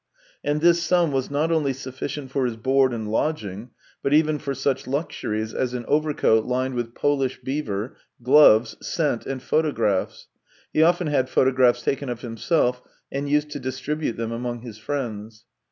And this sum was not only sufficient for his board and lodging, but even for such luxuries as an overcoat lined with Polish beaver, gloves, scent, and photographs (he often had photographs taken of himself and used to distribute them among his friends).